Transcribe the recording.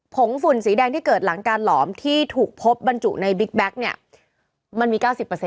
งฝุ่นสีแดงที่เกิดหลังการหลอมที่ถูกพบบรรจุในบิ๊กแก๊กเนี่ยมันมี๙๐